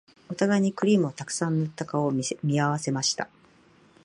お互いにクリームをたくさん塗った顔を見合わせました